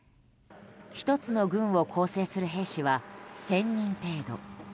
１つの群を構成する兵士は１０００人程度。